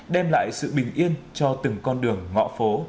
đem lại sự bình yên cho từng con đường ngõ phố